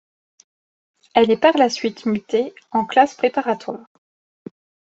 Elle est par la suite mutée en classes préparatoires.